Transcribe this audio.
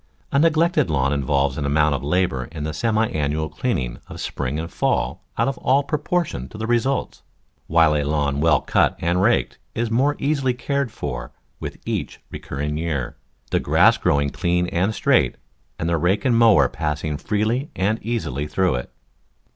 A neglected lawn involves an amount of labour in the semi annual clean ing of spring and fall out of all proportion to the re sults, while a lawn well cut and raked is more easily cared for with each recurring year, the grass growing clean and straight, and the rake and mower passing freely and easily through it.